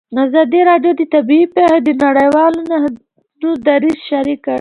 ازادي راډیو د طبیعي پېښې د نړیوالو نهادونو دریځ شریک کړی.